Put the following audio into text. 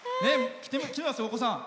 来てますよ、お子さん。